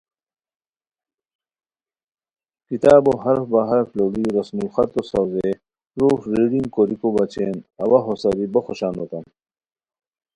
کتابو حرف بہ حرف لوڑی، رسم الخطو ساؤزئے پروف ریڈینگ کوریکو بچین اوا ہو ساری بو خوشان ہوتام